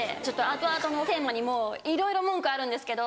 後々のテーマにもういろいろ文句あるんですけど。